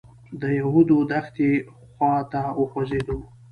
د یهودو دښتې خوا ته وخوځېدو.